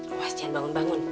awas jangan bangun bangun